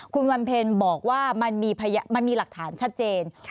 คุณวันเพ็ญบอกว่ามันมีหลักฐานชัดเจน